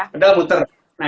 pedal muter kan